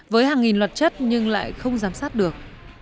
với hàng nghìn luật chất nhưng lại không giám sát được